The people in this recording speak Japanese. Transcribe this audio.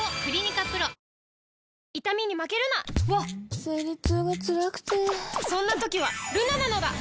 わっ生理痛がつらくてそんな時はルナなのだ！